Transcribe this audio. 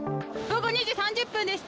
午後２時３０分です。